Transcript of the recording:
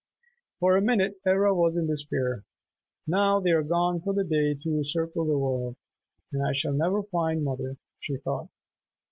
For a minute Ivra was in despair. "Now they are gone for the day to circle the world, and I shall never find mother," she thought.